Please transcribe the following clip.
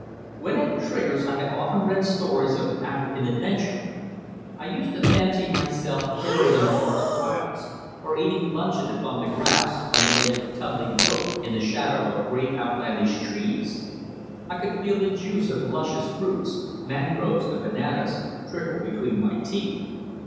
When at Trigger's I had often read stories of African adventure. I used to fancy myself buried in forest wilds, or eating luncheon upon the grass, on the edge of a tumbling brook in the shadow of great outlandish trees; I could feel the juice of luscious fruits mangroves and bananas trickle between my teeth.